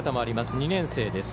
２年生です。